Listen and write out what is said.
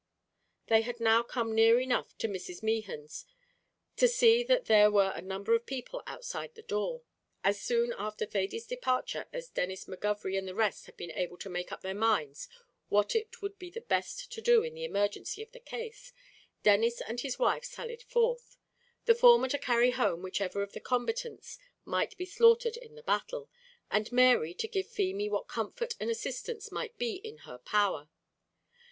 They had now come near enough to Mrs. Mehan's to see that there were a number of people outside the door. As soon after Thady's departure as Denis McGovery and the rest had been able to make up their minds what it would be the best to do in the emergency of the case, Denis and his wife sallied forth; the former to carry home whichever of the combatants might be slaughtered in the battle, and Mary to give to Feemy what comfort and assistance might be in her power.